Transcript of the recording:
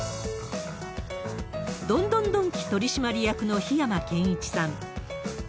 ドンドンドンキ取締役の桧山健一さん。